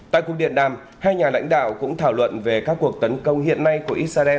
tại cuộc điện đàm hai nhà lãnh đạo cũng thảo luận về các cuộc tấn công hiện nay của israel ở giải gaza